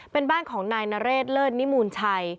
เป็นบ้านของนายนเรศเลิศนิมูลชัย